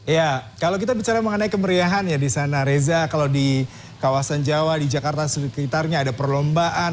ya kalau kita bicara mengenai kemeriahan ya di sana reza kalau di kawasan jawa di jakarta sekitarnya ada perlombaan